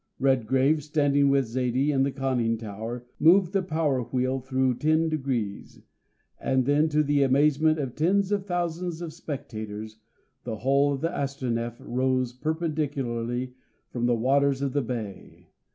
Redgrave, standing with Zaidie in the conning tower, moved the power wheel through ten degrees, and then to the amazement of tens of thousands of spectators, the hull of the Astronef rose perpendicularly from the waters of the Bay.